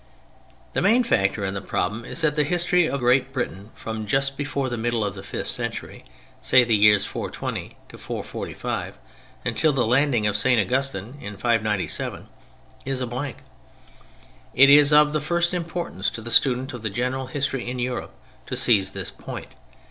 The main factor in the problem is that the history of Great Britain from just before the middle of the fifth century (say the years 420 to 445) until the landing of St. Augustine in 597 is a blank. It is of the first importance to the student of the general history in Europe to seize this point.